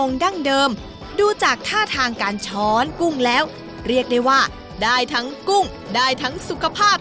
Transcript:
ขอดูหน่อยครับ